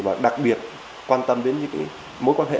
và đặc biệt quan tâm đến mối quan hệ